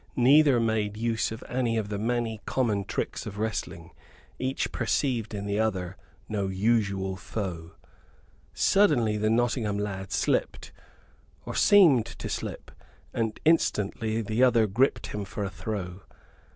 Neither made any use of the many common tricks of wrestling: each perceived in the other no usual foe. Suddenly the Nottingham lad slipped, or seemed to slip, and instantly the other gripped him for a throw.